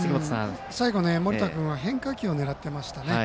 最後、森田君は変化球を狙っていましたね。